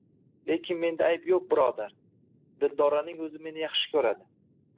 Lekin menda ayb yoʻq, birodar. Dildoraning oʻzi meni yaxshi koʻradi…